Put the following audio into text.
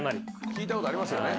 聞いたことありますよね？